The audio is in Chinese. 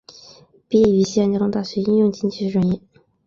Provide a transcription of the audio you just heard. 毕业于西安交通大学应用经济学专业。